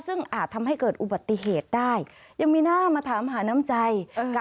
ซึ่งอาจทำให้เกิดอุบัติเหตุได้ยังมีหน้ามาถามหาน้ำใจกับ